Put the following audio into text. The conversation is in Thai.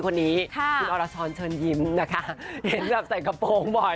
พี่อลลาช้อนเชิญยิ้มนะคะเห็นแบบใส่กระโปรงบ่อย